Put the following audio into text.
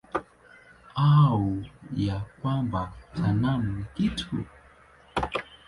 Au ya kwamba sanamu ni kitu?